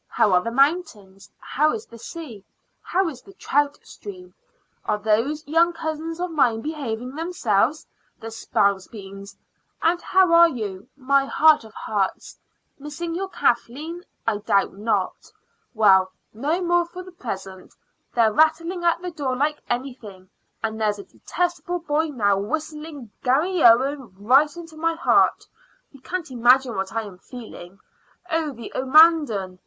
How are the mountains? How is the sea? How is the trout stream? Are those young cousins of mine behaving themselves, the spalpeens? And how are you, my heart of hearts missing your Kathleen, I doubt not? Well, no more for the present. They're rattling at the door like anything, and there's a detestable boy now whistling 'Garry Owen' right into my heart. You can't imagine what I am feeling. Oh, the omadhaun!